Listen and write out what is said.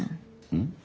うん。